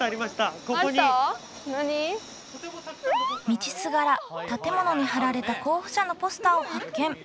道すがら建物に貼られた候補者のポスターを発見。